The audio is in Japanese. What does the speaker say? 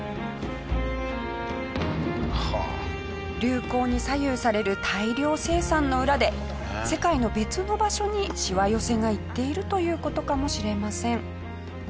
流行に左右される大量生産の裏で世界の別の場所にしわ寄せがいっているという事かもしれません。